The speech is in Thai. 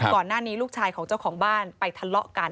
ก่อนหน้านี้ลูกชายของเจ้าของบ้านไปทะเลาะกัน